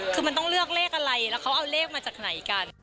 คือมันต้องเลือกเลขอะไร